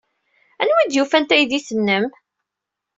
Anwa ay d-yufan taydit-nnem?